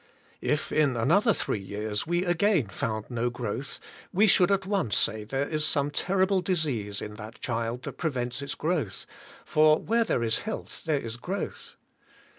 If in another three years we again found no growth, we should at once say there is some terrible disease in that child that prevents its growth, for where there is health there is growth.